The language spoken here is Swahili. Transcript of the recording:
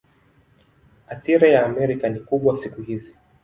Athira ya Amerika ni kubwa siku hizi.